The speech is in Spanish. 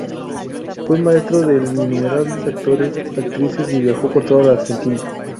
Fue maestro de innumerables actores y actrices, y viajó por toda la Argentina.